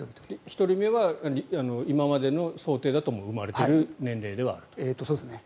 １人目は今までの想定だともう生まれているそうですね。